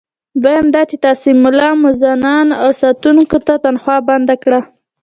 دویم دا چې تاسي ملا، مؤذنانو او ساتونکو ته تنخوا بنده کړه.